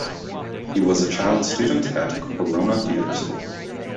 He was a child student at Corona Theatre School.